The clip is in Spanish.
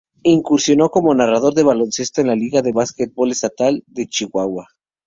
Incursionó como narrador de baloncesto en la Liga de Básquetbol Estatal de Chihuahua.